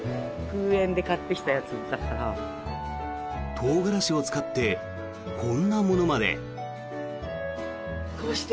トウガラシを使ってこんなものまで。